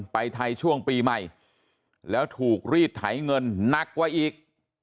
ไปไทยช่วงปีใหม่แล้วถูกรีดไถเงินนักกว่าอีก